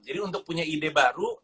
jadi untuk punya ide baru